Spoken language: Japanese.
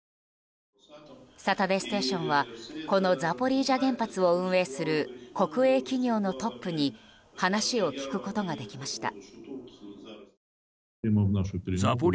「サタデーステーション」はこのザポリージャ原発を運営する国営企業のトップに話を聞くことができました。